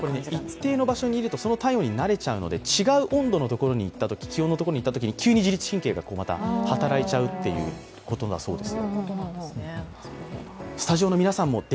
一定の場所にいるとその気温に慣れちゃうので、違う温度のところに行ったとき、気温にいったときに、急に自律神経が働いちゃうということだそうです。